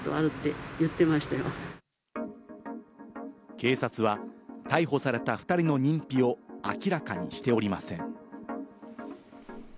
警察は逮捕された２人の認否を明らかにしておりません。